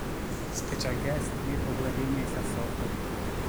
Special guest Mirko Guerrini ai sassofoni.